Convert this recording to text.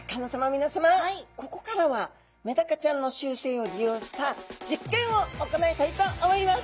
皆さまここからはメダカちゃんの習性を利用した実験を行いたいと思います！